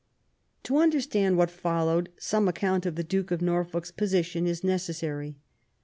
To understand what followe^T^nie account of the Duke of Norfolk's position is necessary.